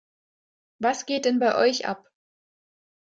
Was geht denn bei euch ab?